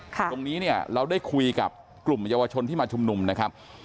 ตรงนี้เนี่ยเราได้คุยกับกลุ่มเยาวชนที่มาชุมนุมนะครับ